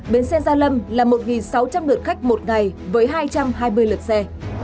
bến xe gia lâm là một sáu trăm linh lượt khách một ngày với hai trăm hai mươi lượt xe